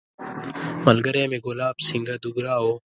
ملګری مې ګلاب سینګهه دوګرا وو.